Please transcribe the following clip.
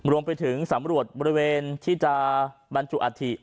รวมไปถึงสำรวจบริเวณที่จะบรรจุอาธิ